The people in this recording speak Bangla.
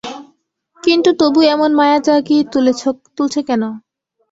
কিন্তু তবু এমন মায়া জাগিয়ে তুলছে কেন?